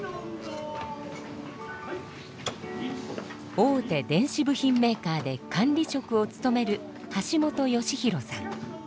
大手電子部品メーカーで管理職を務める橋本佳拡さん。